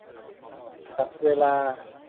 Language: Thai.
จัดเวลา